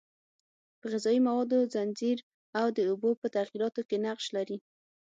په غذایي موادو ځنځیر او د اوبو په تغییراتو کې نقش لري.